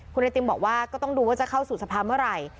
คุณไอติมบอกว่าก็ต้องดูว่าจะเข้าสู่สภาเมื่อไหร่